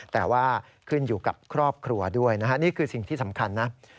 แต่ว่าขึ้นอยู่กับครอบครัวด้วยนะฮะนี่คือสิ่งที่สำคัญนะ